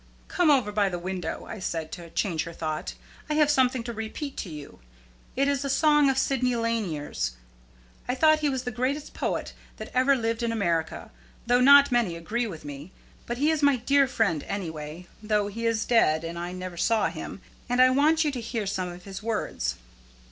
"Come over by the window," I said, to change her thought. "I have something to repeat to you. It is a song of Sydney Lanier's. I think he was the greatest poet that ever lived in America, though not many agree with me. But he is my dear friend anyway, though he is dead, and I never saw him; and I want you to hear some of his words."